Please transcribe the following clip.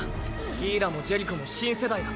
ギーラもジェリコも新世代だ。